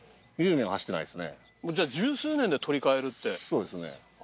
そうですね。